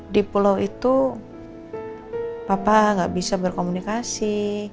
di pulau itu papa nggak bisa berkomunikasi